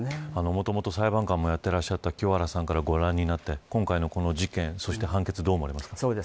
元裁判官もやっていたことがある清原さんからご覧になって今回の事件判決どう思われますか。